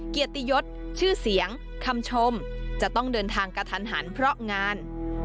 เกียรติยศชื่อเสียงคำชมจะต้องเดินทางกระทันหันเพราะงาน